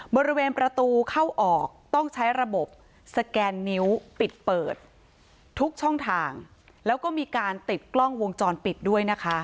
บริเวณประตูเข้าออกต้องใช้ระบบสแกนนิ้วปิดเปิดทุกช่องทางแล้วก็มีการติดกล้องวงจรปิดด้วยนะคะ